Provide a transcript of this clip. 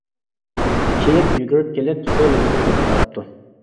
كېيىك يۈگۈرۈپ كېلىپ سۇ لېۋىدە توختاپتۇ.